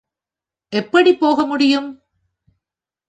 எப்படிப் போக முடியும்?